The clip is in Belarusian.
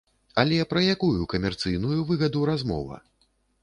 Але пра якую камерцыйную выгаду размова?